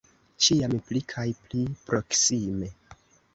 Ĉiam pli kaj pli proksime.